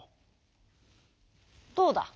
どうだ。